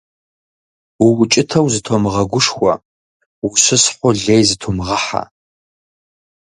УукӀытэу зытумыгъэгушхуэ, ущысхьу лей зытумыгъэхьэ.